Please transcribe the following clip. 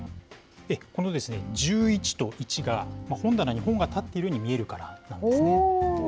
この１１と１が、本棚に本が立っているように見えるからなんですね。